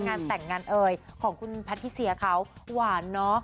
งานแต่งงานเอ่ยของคุณแพทิเซียเขาหวานเนอะ